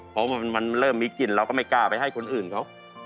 เพราะมันเริ่มมีกลิ่นเราก็ไม่กล้าไปให้คนอื่นเขา